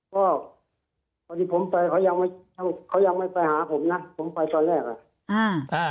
ก็ตอนที่ผมไปเขายังไม่เขายังไม่ไปหาผมนะผมไปตอนแรกอ่ะอ่า